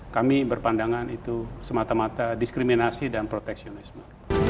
kami berpandangan itu semata mata diskriminasi dan proteksionisme